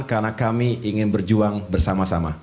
karena kami ingin berjuang bersama sama